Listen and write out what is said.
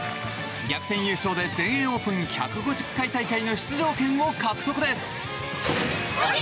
逆転優勝で全英オープン１５０回大会の出場権を獲得です。